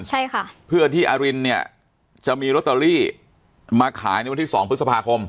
ใช่ค่ะเพื่อที่อรินเนี่ยจะมีลอตเตอรี่มาขายในวันที่สองพฤษภาคม